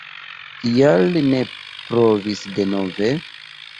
Kial ne provi denove?